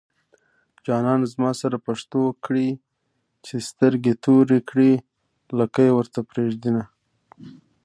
جانان زما سره پښتو کړي چې سترګې توري کړي لکۍ ورته پرېږدينه